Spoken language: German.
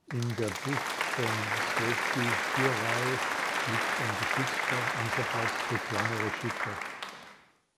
In der Bucht von Sveti Juraj liegt ein geschützter Ankerplatz für kleinere Schiffe.